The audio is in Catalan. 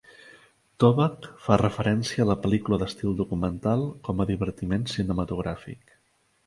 Toback fa referència a la pel·lícula d'estil documental com a divertiment cinematogràfic.